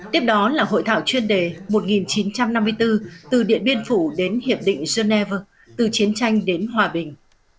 tiếp đó là hội thảo chuyên đề một nghìn chín trăm năm mươi bốn từ điện biên phủ đến hiệp định geneva từ chiến tranh đến hòa bình